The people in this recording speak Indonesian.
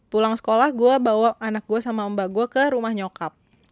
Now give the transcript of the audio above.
pulang sekolah gue bawa anak gue sama mbak gue ke rumah nyokap